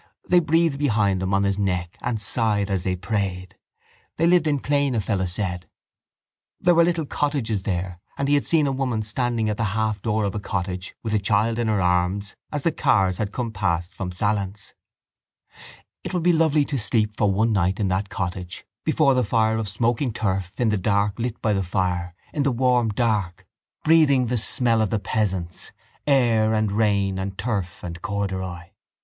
They breathed behind him on his neck and sighed as they prayed. They lived in Clane, a fellow said: there were little cottages there and he had seen a woman standing at the halfdoor of a cottage with a child in her arms, as the cars had come past from Sallins. It would be lovely to sleep for one night in that cottage before the fire of smoking turf, in the dark lit by the fire, in the warm dark, breathing the smell of the peasants, air and rain and turf and corduroy.